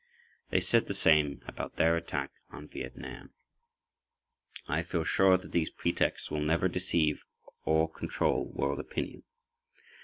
They said the same about their attack on Viet Nam. I feel sure that these pretexts will never deceive or control world opinion.